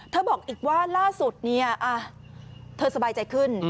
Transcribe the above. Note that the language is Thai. เธอบอกว่าล่าสุดเธอสบายใจขึ้น